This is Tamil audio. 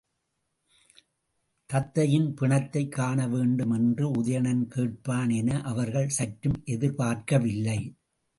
தத்தையின் பிணத்தைக் காணவேண்டும் என்று உதயணன் கேட்பான் என அவர்கள் சற்றும் எதிர்பார்க்கவில்லை.